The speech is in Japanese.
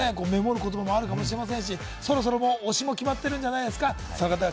メモる言葉もあるかもしれませんが、そろそろ推しも決まっているんじゃないですか？